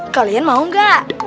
kalian mau gak